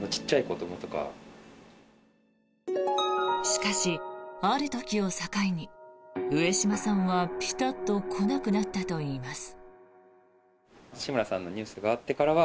しかし、ある時を境に上島さんはピタッと来なくなったといいます。